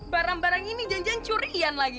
barang barang ini janjian curian lagi